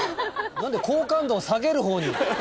何で好感度を下げる方に？